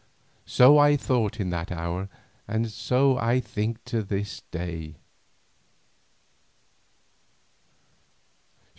So I thought in that hour and so I think to this day.